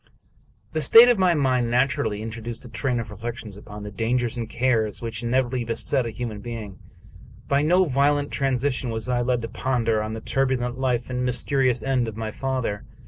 The state of my mind naturally introduced a train of re flections upon the dangers and cares which inevitably beset a human being. By no violent transition was I led to ponder on the turbulent life and mysterious end of my father.